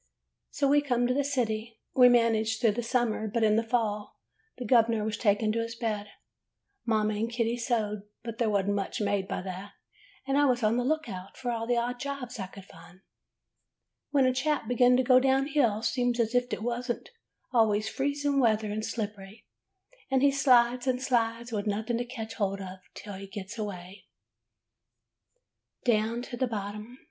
"So we come to the city. We managed through the summer, but in the fall the gov 'ner was taken to his bed. Mother and Kitty sewed, but there was n't much made by that, and I was on the lookout for all the odd jobs I could find. When a chap begins to go down hill seems as if 't was always freezin' weather and slippery, an' he slides and slides with nothing to catch hold of, till he gets away [ 52 ] HOW BEN FO UND SANTA CLAUS down to the bottom.